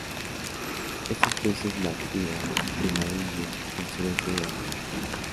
Esta especie es nativa de la India y el sureste de Asia.